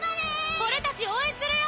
俺たち応援するよ！